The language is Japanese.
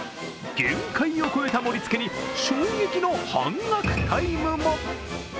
限界を超えた盛りつけに衝撃の半額タイムも。